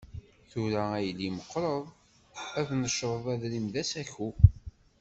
Tura, a yelli meqqreḍ, ad necreḍ adrim d asaku.